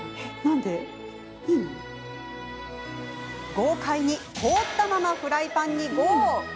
豪快に凍ったままフライパンにゴー！